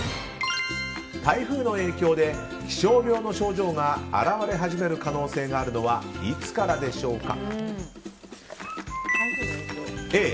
台風の影響で気象病の症状が現れ始める可能性があるのはいつからでしょうか？